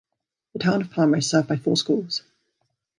The town of Palmer is served by four schools.